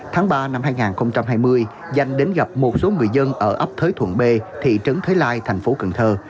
tháng ba năm hai nghìn hai mươi danh đến gặp một số người dân ở ấp thới thuận b thị trấn thới lai thành phố cần thơ